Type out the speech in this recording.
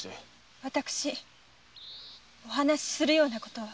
私お話するような事は。